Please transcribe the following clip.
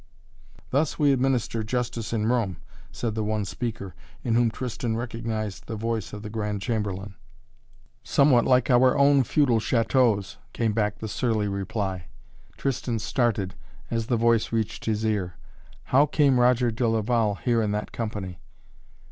"Thus we administer justice in Rome," said the one speaker, in whom Tristan recognized the voice of the Grand Chamberlain. "Somewhat like in our own feudal chateaux," came back the surly reply. Tristan started as the voice reached his ear. How came Roger de Laval here in that company?